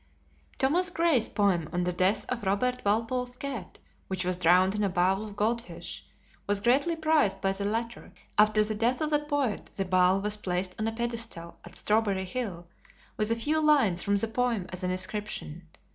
Thomas Gray's poem on the death of Robert Walpole's cat, which was drowned in a bowl of goldfish, was greatly prized by the latter; after the death of the poet the bowl was placed on a pedestal at Strawberry Hill, with a few lines from the poem as an inscription.